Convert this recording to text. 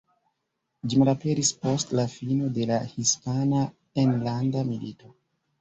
Ĝi malaperis post la fino de la Hispana Enlanda Milito.